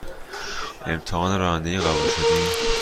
امتحان رانندگی قبول شدی؟